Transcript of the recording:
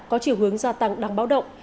có chiều hướng gia tăng đáng báo động